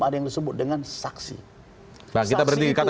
ada yang disebut dengan saksi